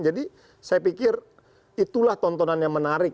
jadi saya pikir itulah tontonan yang menarik